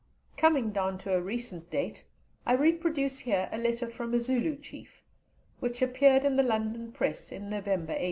Coming down to a recent date, I reproduce here a letter from a Zulu Chief, which appeared in the London Press in November, 1899.